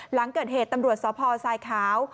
หลังเกิดเหตุตำรวจสพทรายขาว